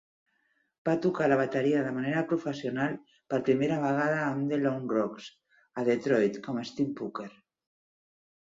Va tocar la bateria de manera professional per primera vegada amb "The Low Rocks" a Detroit com Steve Booker.